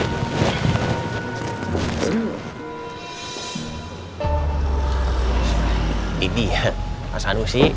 jadi pak sanusi